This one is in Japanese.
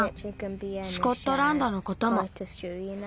スコットランドのことも。